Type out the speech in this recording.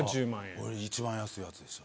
俺一番安いやつにした。